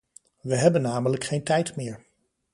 We hebben namelijk geen tijd meer.